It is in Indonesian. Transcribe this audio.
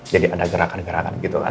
jadi ada gerakan gerakan gitu kan